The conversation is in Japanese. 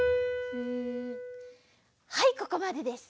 はいここまでです！